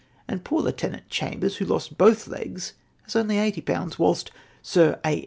and poor Lieutenant Chambers, who lost both his legs, has only 80/., u hilst Sir A.